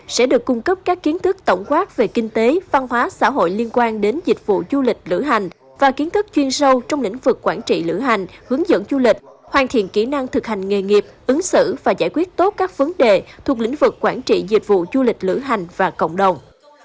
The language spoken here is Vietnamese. sẽ được cung cấp các kiến thức tổng quát về kinh tế văn hóa xã hội liên quan đến dịch vụ du lịch lửa hành và kiến thức chuyên sâu trong lĩnh vực quản trị lửa hành hướng dẫn du lịch hoàn thiện kỹ năng thực hành nghề nghiệp ứng xử và giải quyết tốt các vấn đề thuộc lĩnh vực quản trị dịch vụ du lịch lửa hành và cộng đồng